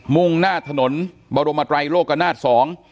มุ่งหน้าถนนบรมไตรโลกนาศ๒